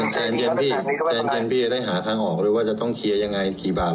เออเครียดจบซะมันจะได้ไม่มีอะไรติดค้างกัน